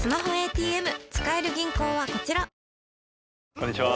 こんにちは。